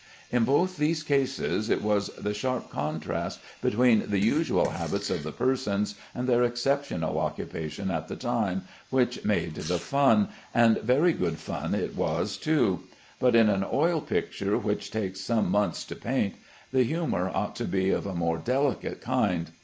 In both these cases it was the sharp contrast between the usual habits of the persons and their exceptional occupation at the time which made the fun, and very good fun it was too; but in an oil picture which takes some months to paint, the humor ought to be of a more delicate kind.